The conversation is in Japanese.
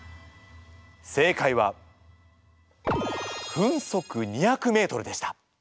正解は分速２００ｍでした。